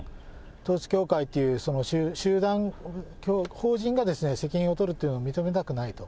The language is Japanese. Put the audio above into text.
統一教会という集団、法人が責任を取るというのを認めたくないと。